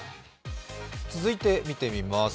続いて見てみます